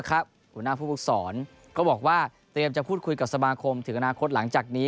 หัวหน้าผู้ฝึกศรก็บอกว่าเตรียมจะพูดคุยกับสมาคมถึงอนาคตหลังจากนี้